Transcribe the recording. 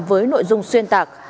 với nội dung xuyên tạc